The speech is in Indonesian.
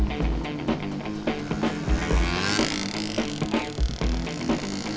kita lagi ngejar bajah pemotor